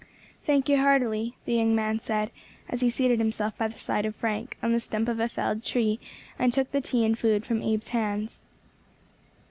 "Thank you, heartily," the young man said, as he seated himself by the side of Frank, on the stump of a felled tree, and took the tea and food from Abe's hands.